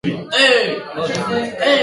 Zilegitasuna eman eta kendu egin zizuten.